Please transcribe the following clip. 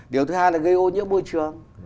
điều thứ hai là gây ô nhiễm môi trường